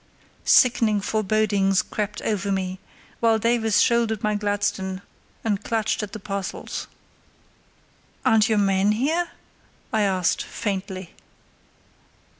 Sickening forebodings crept over me, while Davies shouldered my Gladstone and clutched at the parcels. "Aren't your men here?" I asked, faintly.